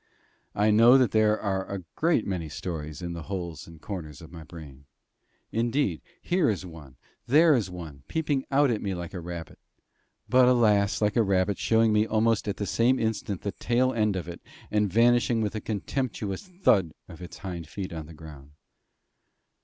I know that there are a great many stories in the holes and corners of my brain; indeed, here is one, there is one, peeping out at me like a rabbit; but alas, like a rabbit, showing me almost at the same instant the tail end of it, and vanishing with a contemptuous thud of its hind feet on the ground.